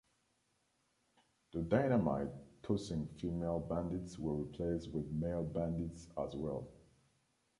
The dynamite-tossing female bandits were replaced with male bandits as well.